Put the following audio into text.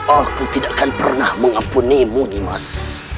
aku tidak akan pernah mengampunimu dimas